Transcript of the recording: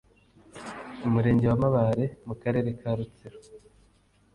Umurenge wa Mabare mu Karere ka Rutsiro